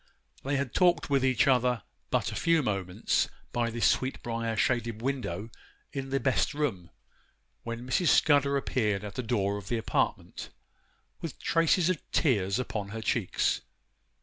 They had talked with each other but a few moments, by the sweetbriar shaded window in the best room, when Mrs. Scudder appeared at the door of the apartment, with traces of tears upon her cheeks.